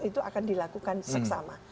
itu akan dilakukan seksama